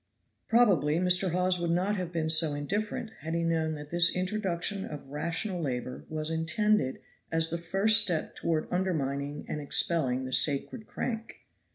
Probably Mr. Hawes would not have been so indifferent had he known that this introduction of rational labor was intended as the first step toward undermining and expelling the sacred crank.